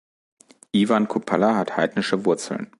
Iwan Kupala hat heidnische Wurzeln.